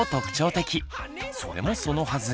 それもそのはず